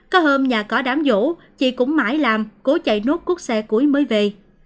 có hôm nhà có đám vỗ chị cũng mãi làm cố chạy nốt cuốc xe cuối mới về